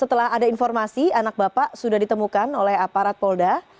setelah ada informasi anak bapak sudah ditemukan oleh aparat polda